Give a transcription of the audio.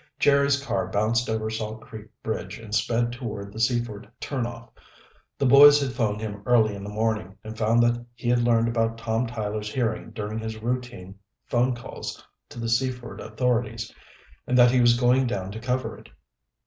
Jerry's car bounced over Salt Creek Bridge and sped toward the Seaford turnoff. The boys had phoned him early in the morning and found that he had learned about Tom Tyler's hearing during his routine phone calls to the Seaford authorities, and that he was going down to cover it.